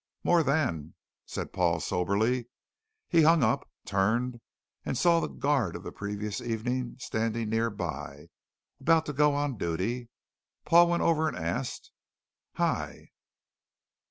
"More than," said Paul soberly. He hung up, turned, and saw the guard of the previous evening standing near by, about to go on duty. Paul went over and asked: "Hi!"